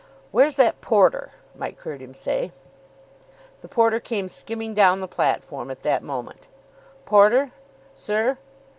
"Where's that porter?" Mike heard him say. The porter came skimming down the platform at that moment. "Porter." "Sir?"